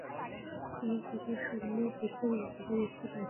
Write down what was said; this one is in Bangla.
আমার কথা শোনো, বিচার বিভাগের উপর আস্থা রাখো আর আত্মসমর্পণ করো।